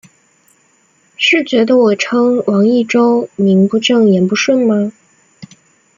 是觉得我称王益州名不正言不顺吗？